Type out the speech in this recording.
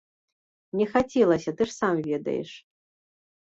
Не хацелася, ты ж сам ведаеш.